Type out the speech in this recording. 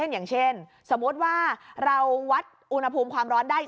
อย่างเช่นสมมุติว่าเราวัดอุณหภูมิความร้อนได้